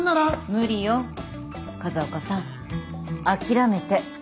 無理よ風岡さん諦めて。